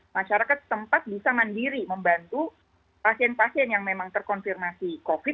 masyarakat tempat bisa mandiri membantu pasien pasien yang memang terkonfirmasi covid